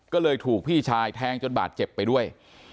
ก็เลยถูกพี่ชายแทงจนบาดเจ็บไปด้วย